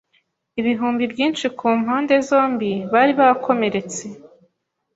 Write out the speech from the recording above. Ibihumbi byinshi kumpande zombi bari bakomeretse.